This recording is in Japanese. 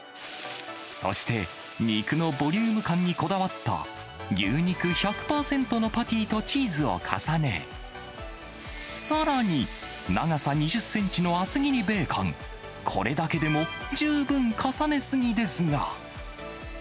そして、肉のボリューム感にこだわった、牛肉１００％のパティとチーズを重ね、さらに、長さ２０センチの厚切りベーコン、これだけでも十分重ねすぎですが。